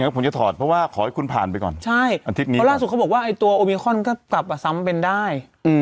เออเขาไม่ได้กันติดยังไง